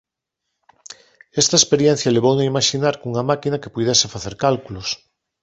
Esta experiencia levouno a imaxinar cunha máquina que puidese facer cálculos.